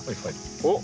おっ！